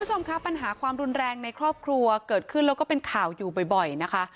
คุณผู้ชมคะปัญหาความรุนแรงในครอบครัวเกิดขึ้นแล้วก็เป็นข่าวอยู่บ่อยนะคะ